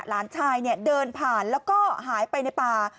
หลานชายเดินผ่านแล้วก็หายไปในป่า